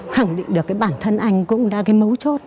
khẳng định được bản thân anh cũng là mấu chốt